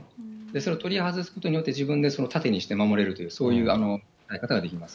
それを取り外すことによって、自分で盾にして守れるという、そういうやり方ができます。